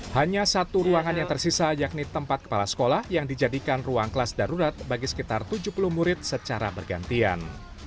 hanya satu ruangan yang tersisa yakni tempat kepala sekolah yang dijadikan ruang kelas darurat bagi sekitar tujuh puluh murid secara bergantian